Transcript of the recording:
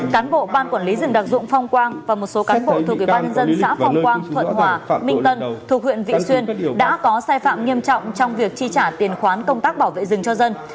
cán bộ ban quản lý rừng đặc dụng phong quang và một số cán bộ thuộc ủy ban nhân dân xã phong quang thuận hòa minh tân thuộc huyện vị xuyên đã có sai phạm nghiêm trọng trong việc chi trả tiền khoán công tác bảo vệ rừng cho dân